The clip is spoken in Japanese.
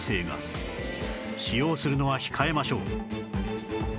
使用するのは控えましょう